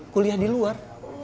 kuliah di luar